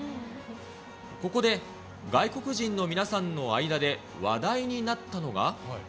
ここで外国人の皆さんの間で話題になったのが。